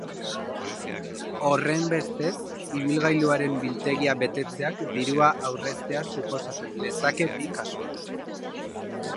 Horrenbestez, ibilgailuaren biltegia betetzeak dirua aurreztea suposatu lezake bi kasuetan.